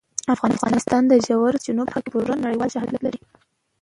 افغانستان د ژورو سرچینو په برخه کې پوره نړیوال شهرت لري.